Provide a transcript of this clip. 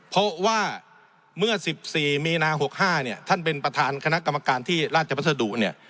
เพราะว่าเมื่อ๑๔มีนา๖๕เนี่ยท่านเป็นประธานคณะกรรมการที่ราชพัสดุเนี่ย